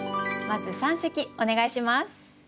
まず三席お願いします。